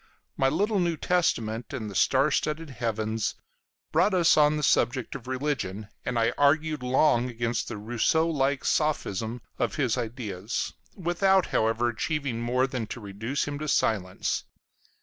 My little New Testament and the star studded heavens brought us on the subject of religion, and I argued long against the Rousseau like sophism of his ideas, without, however, achieving more than to reduce him to silence.